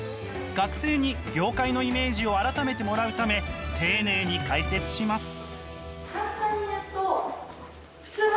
学生に業界のイメージを改めてもらうため丁寧に解説します。